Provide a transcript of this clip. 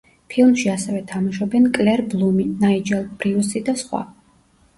ფილმში ასევე თამაშობენ კლერ ბლუმი, ნაიჯელ ბრიუსი და სხვა.